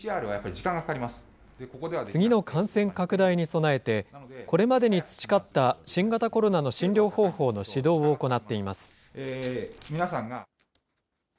次の感染拡大に備えて、これまでに培った新型コロナの診療方法の指導を行っています。